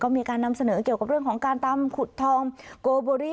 มีการนำเสนอเกี่ยวกับเรื่องของการตำขุดทองโกโบรี่